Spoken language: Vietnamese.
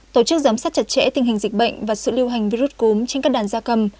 tổ chức giám sát chặt chẽ tình hình dịch bệnh và sự lưu hành virus cúm trên các đàn gia cầm